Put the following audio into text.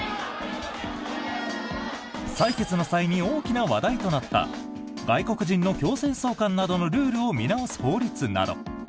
採決の際に大きな話題となった外国人の強制送還などのルールを見直す法律など。